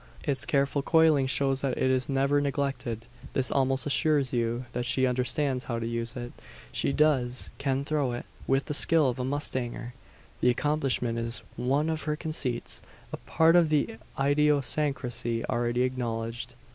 Its careful coiling shows that it is never neglected. This almost assures you, that she understands how to use it. She does can throw it, with the skill of a mustanger. The accomplishment is one of her conceits; a part of the idiosyncrasy already acknowledged.